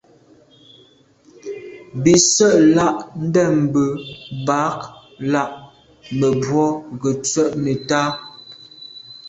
Bì sə̂’ lá’ ndɛ̂mbə̄bɑ̌k lá mə̀bró ŋgə́ tswə́ nə̀tá.